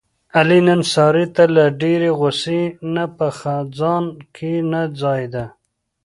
علي نن سارې ته له ډېرې غوسې نه په ځان کې نه ځایېدا.